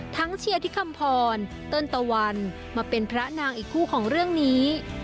เชียร์ที่คำพรเติ้ลตะวันมาเป็นพระนางอีกคู่ของเรื่องนี้